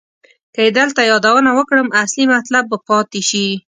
که یې دلته یادونه وکړم اصلي مطلب به پاتې شي.